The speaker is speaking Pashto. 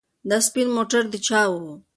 دا سپین موټر د چا و؟